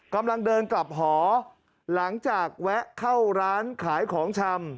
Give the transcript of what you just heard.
กำลังเดินกลับหอหลังจากแวะเข้าร้านขายของชำ